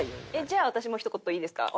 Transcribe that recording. じゃあ私もひと言いいですか？